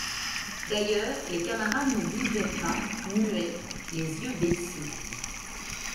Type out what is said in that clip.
D'ailleurs, les camarades ne bougeaient pas, muets, les yeux baissés.